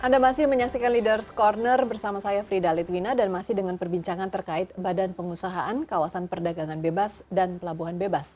anda masih menyaksikan leaders ⁇ corner bersama saya frida litwina dan masih dengan perbincangan terkait badan pengusahaan kawasan perdagangan bebas dan pelabuhan bebas